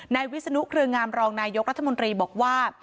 วิศนุเครืองามรองนายกรัฐมนตรีบอกว่า